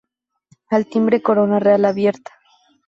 Al timbre corona real abierta.